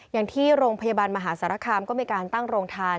อย่างที่โรงพยาบาลมหาสารคามก็มีการตั้งโรงทาน